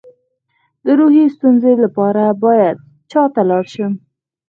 د روحي ستونزو لپاره باید چا ته لاړ شم؟